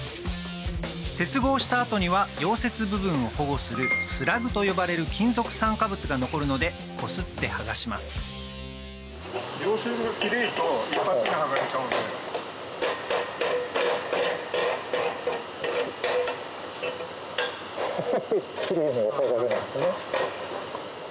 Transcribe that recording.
接合した後には溶接部分を保護するスラグと呼ばれる金属酸化物が残るのでこすって剥がしますホホホ。